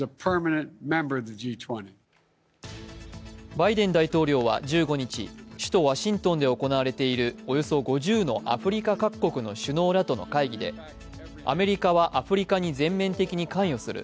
バイデン大統領は１５日首都ワシントンで行われているおよそ５０のアフリカ各国の首脳らとの会議でアメリカはアフリカに全面的に関与する。